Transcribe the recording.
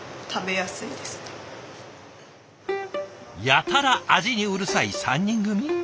やたら味にうるさい３人組。